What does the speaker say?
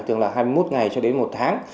tức là hai mươi một ngày cho đến một tháng